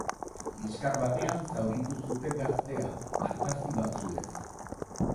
Liskar batean zauritu zuten gaztea, artazi batzuez.